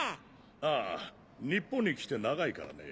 あぁ日本に来て長いからね。